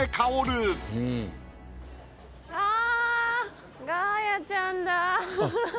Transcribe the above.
あ！